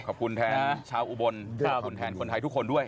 ขอบคุณแทนชาวอุบลขอบคุณแทนคนไทยทุกคนด้วย